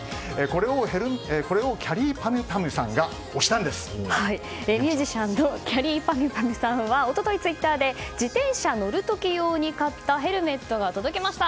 これをきゃりーぱみゅぱみゅさんがミュージシャンのきゃりーぱみゅぱみゅさんは一昨日ツイッターで自転車に乗るとき用に買ったヘルメットが届きました